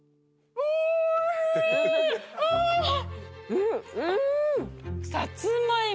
うん！